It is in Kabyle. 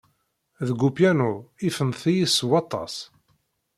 Deg upyanu, ifent-iyi s waṭas.